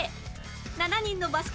７人のバスケ